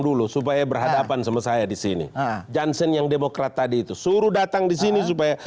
dulu supaya berhadapan sama saya disini johnssen yang demokrat tadi itu suruh datang disini supaya